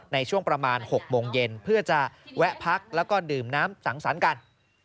ในช่วงประมาณ๖โมงเย็นเพื่อจะแวะพักแล้วก็ดื่มน้ำสังสรรค์กัน